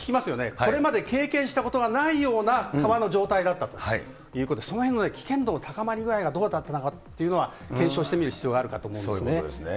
これまで経験したことがないような川の状態だったということで、そのへんの危険度の高まり具合がどうだったのかというのを検証しそういうことですね。